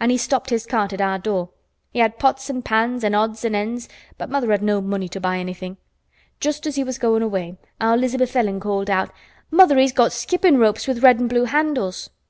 "An' he stopped his cart at our door. He had pots an' pans an' odds an' ends, but mother had no money to buy anythin'. Just as he was goin' away our 'Lizabeth Ellen called out, 'Mother, he's got skippin' ropes with red an' blue handles.